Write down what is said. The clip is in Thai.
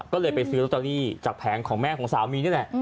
ก็เลยไปซื้อลอตเตอรี่จากแผงของแม่ของสามีนี่แหละ